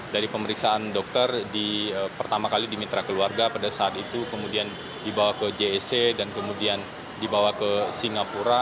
dari pemeriksaan dokter pertama kali di mitra keluarga pada saat itu kemudian dibawa ke jc dan kemudian dibawa ke singapura